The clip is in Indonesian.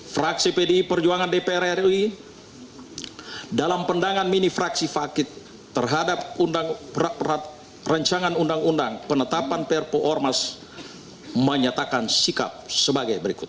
fraksi pdi perjuangan dpr ri dalam pendangan mini fraksi fakit terhadap rancangan undang undang penetapan perpu ormas menyatakan sikap sebagai berikut